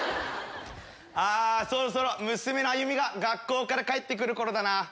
あそろそろ娘の歩美が学校から帰って来る頃だな。